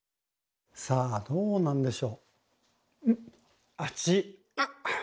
さあどうなんでしょう？